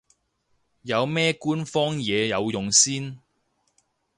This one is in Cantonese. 有咩官方嘢有用先